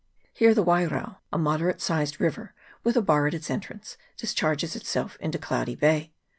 Here the Wairao, a moderate sized river, with a bar at its entrance, dis charges itself into Cloudy Bay.